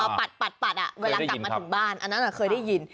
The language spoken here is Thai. ปัดเวลากลับมาถึงบ้านอันนั้นเคยได้ยิน